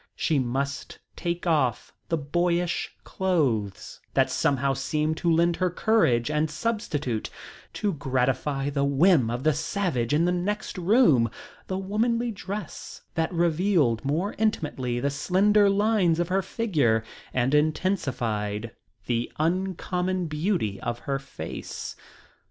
She must take off the boyish clothes that somehow seemed to lend her courage and substitute, to gratify the whim of the savage in the next room, the womanly dress that revealed more intimately the slender lines of her figure and intensified the uncommon beauty of her face.